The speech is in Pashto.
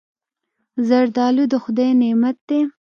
زردالو د خدای نعمت دی.